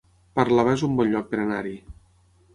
Parlavà es un bon lloc per anar-hi